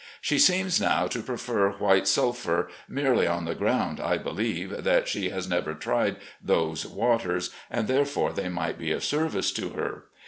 She seems now to prefer White Sulphur, merely on the grotmd, I be lieve, that she has never tried those waters, and, therefore, they might be of service to her.